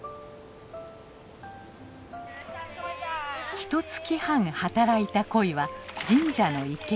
ひとつき半働いたコイは神社の池へ。